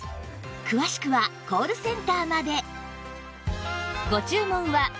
詳しくはコールセンターまで